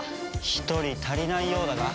一人足りないようだが。